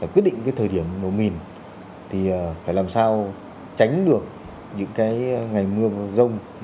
quyết định cái thời điểm nổ mìn thì phải làm sao tránh được những cái ngày mưa và rông